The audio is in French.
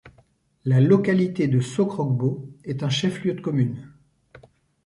La localité de Sokrogbo est un chef-lieu de commune.